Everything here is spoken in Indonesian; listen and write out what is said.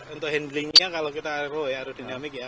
untuk handlingnya kalau kita aerodinamik ya